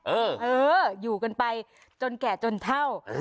เอออยู่กันไปจนแก่จนเท่า